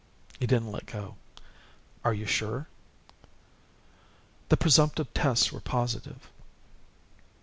He didn't let go. "Are you sure?" "The presumptive tests were positive."